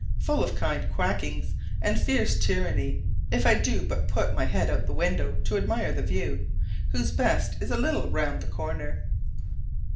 full of kind quackings and fierce tyranny if I do but put my head out of window to admire the view, whose best is a little round the corner.